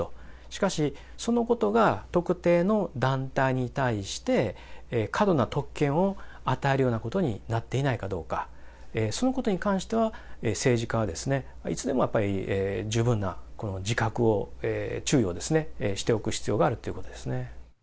しかし、そのことが特定の団体に対して、過度な特権を与えるようなことになっていないかどうか、そのことに関しては、政治家はいつでもやっぱり十分な自覚を、注意をしておく必要があるっていうことですね。